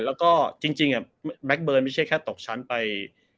แล้วก็จริงแบ็คเบิร์นไม่ใช่แค่ตกชั้นไป